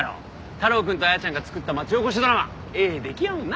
太郎くんと彩ちゃんが作った町おこしドラマええ出来やもんな。